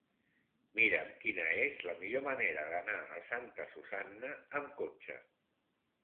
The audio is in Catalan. Mira'm quina és la millor manera d'anar a Santa Susanna amb cotxe.